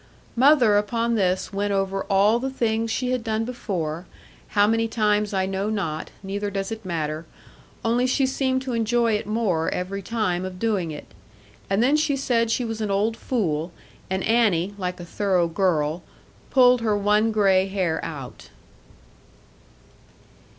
Mother upon this went over all the things she had done before; how many times I know not; neither does it matter. Only she seemed to enjoy it more, every time of doing it. And then she said she was an old fool; and Annie (like a thorough girl) pulled her one grey hair out.